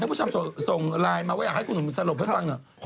ผู้ชมส่งไลน์มาว่าอยากให้คุณหนุ่มสรุปให้ฟังหน่อย